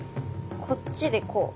こっちでこう。